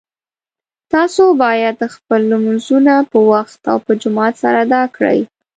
تاسو باید خپل لمونځونه په وخت او په جماعت سره ادا کړئ